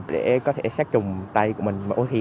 để có thể sát chùng tay của mình